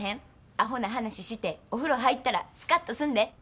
アホな話してお風呂入ったらスカッとすんで。